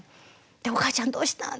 で「おかあちゃんどうしたん？」